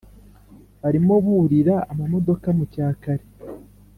barimo burira amamodoka mucyakare